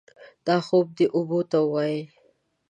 دا خوب دې اوبو ته ووايي.